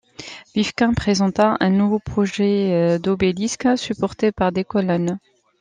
Vifquain présenta un nouveau projet d'obélisque supporté par des colonnes.